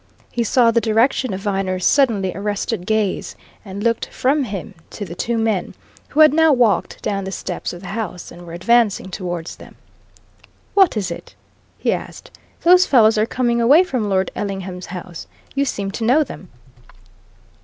He saw the direction of Viner's suddenly arrested gaze and looked from him to the two men who had now walked down the steps of the house and were advancing towards them. "What is it?" he asked. "Those fellows are coming away from Lord Ellingham's house. You seem to know them?"